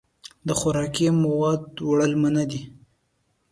د خوراکي موادو وړل منع دي.